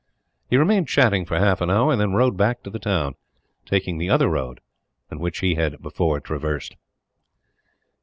He remained chatting for half an hour, and then rode back to the town; taking the other road to that which he had before traversed.